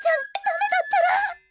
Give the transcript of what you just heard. ダメだったら。